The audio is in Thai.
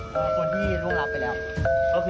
ถนวงรับไปแล้ว